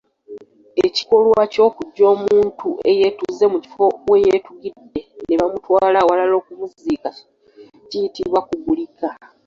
Ekikolwa ky’okujja omuntu eyeetuze mu kifo we yeetugidde ne bamutwala awalala okumuziika kiyitibwa Kugulika.